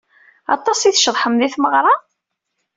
Aṭas i tceḍḥem di tmeɣra?